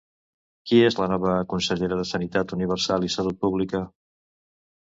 Qui és la nova consellera de Sanitat Universal i Salut Pública?